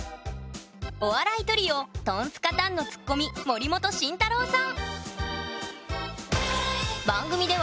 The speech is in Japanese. お笑いトリオトンツカタンのツッコミ森本晋太郎さん。